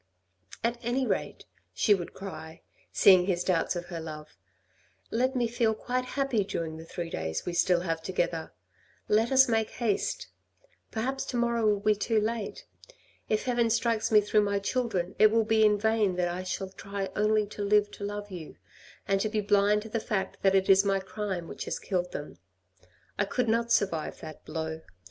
122 THE RED AND THE BLACK " At any rate," she would cry, seeing his doubts of her love, " let me feel quite happy during the three days we still have together. Let us make haste ; perhaps to morrow will be too late. If heaven strikes me through my children, it will be in vain that I shall try only to live to love you, and to be blind to the fact that it is my crime which has killed them. I could not survive that blow.